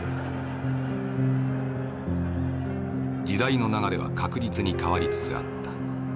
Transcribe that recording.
「時代の流れは確実に変わりつつあった。